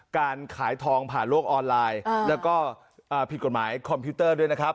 การขายทองผ่านโลกออนไลน์แล้วก็ผิดกฎหมายคอมพิวเตอร์ด้วยนะครับ